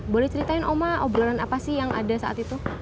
boleh ceritain oma obrolan apa sih yang ada saat itu